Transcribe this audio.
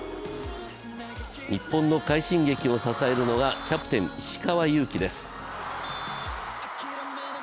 日本の快進撃を支えるのがキャプテン・石川祐希です。